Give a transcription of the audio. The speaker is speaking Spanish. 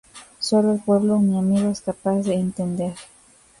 Sólo el pueblo, mi amigo, es capaz de entender.